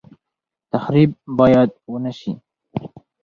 تخریب باید ونشي